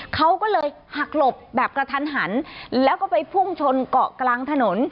เขาก็เลยหักหลบแบบกระทันหันแล้วก็ไปพุ่งชนเกาะกลางถนน